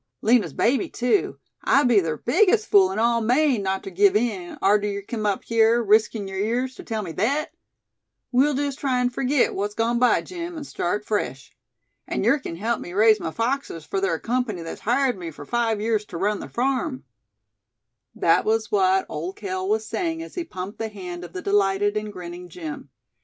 Lina's baby too I'd be ther biggest fool in all Maine, not ter give in, arter yer kim up hyar, riskin' yer ears ter tell me thet! We'll jest try an' furgit what's gone by, Jim, an' start fresh. An' yer kin help me raise my foxes fur ther company thet's hired me fur five years ter run ther farm." That was what Old Cale was saying as he pumped the hand of the delighted and grinning Jim.